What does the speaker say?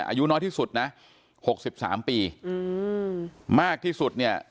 อายุน้อยที่สุดนะ๖๓ปีมากที่สุดเนี่ย